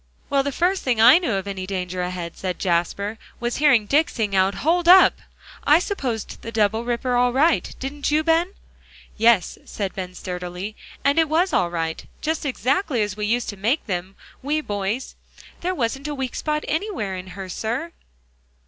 "Well, the first thing I knew of any danger ahead," said Jasper, "was hearing Dick sing out 'Hold up!' I supposed the double ripper all right; didn't you, Ben?" "Yes," said Ben sturdily, "and it was all right; just exactly as we used to make them, we boys; there wasn't a weak spot anywhere in her, sir."